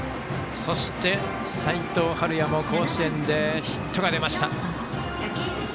そして、齋藤敏哉も甲子園でヒットが出ました。